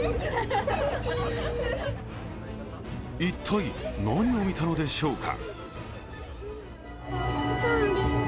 一体、何を見たのでしょうか。